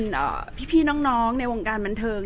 แต่ว่าสามีด้วยคือเราอยู่บ้านเดิมแต่ว่าสามีด้วยคือเราอยู่บ้านเดิม